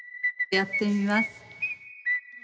やってみます